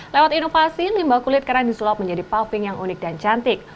lewat inovasi limba kulit kerap disulap menjadi paving yang unik dan cantik